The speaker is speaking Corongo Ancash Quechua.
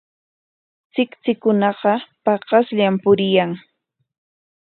Tsiktsikunaqa paqasllapam puriyan.